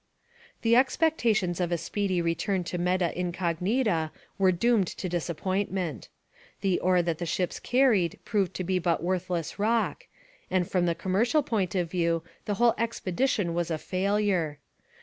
The expectations of a speedy return to Meta Incognita were doomed to disappointment. The ore that the ships carried proved to be but worthless rock, and from the commercial point of view the whole expedition was a failure.